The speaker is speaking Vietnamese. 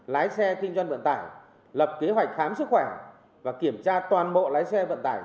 lái xe kinh doanh vận tải lập kế hoạch khám sức khỏe và kiểm tra toàn bộ lái xe vận tải